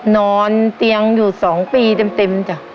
นอนเตียงอยู่๒ปีเต็มจ้ะ